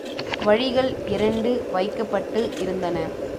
வழிகள் இரண்டு வைக்கப்பட்டு இருந்தன.